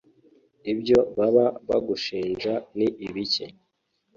Ibyo baba bagushinja ni ibiki